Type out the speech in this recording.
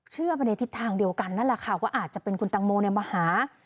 เชื่อไปในทิศทางเดียวกันนั่นแหละค่ะว่าอาจจะเป็นคุณตังโมมาหา